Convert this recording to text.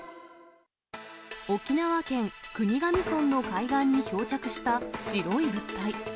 沖縄県国頭村の海岸に漂着した白い物体。